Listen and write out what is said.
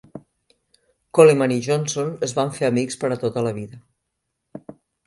Coleman i Johnson es van fer amics per a tota la vida.